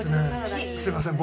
すみません